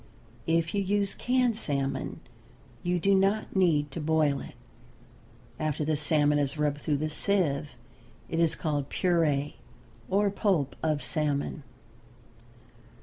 If you use canned salmon you do not need to boil it. After the salmon is rubbed through the sieve it is called puree or pulp of salmon.